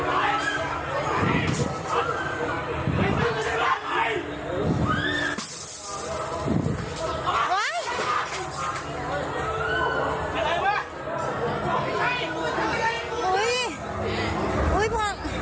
อุ๊ยพ่อ